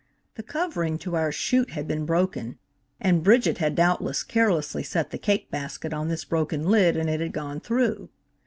The covering to our shute had been broken, and Bridget had doubtless carelessly set the cake basket on this broken lid and it had gone through.